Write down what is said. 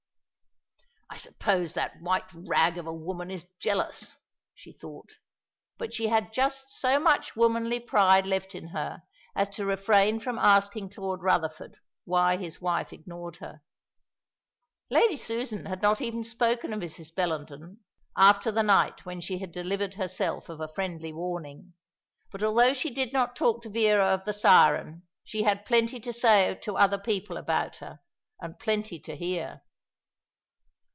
"I suppose that white rag of a woman is jealous," she thought; but she had just so much womanly pride left in her as to refrain from asking Claude Rutherford why his wife ignored her. Lady Susan had not even spoken of Mrs. Bellenden after the night when she had delivered herself of a friendly warning. But although she did not talk to Vera of the siren, she had plenty to say to other people about her, and plenty to hear.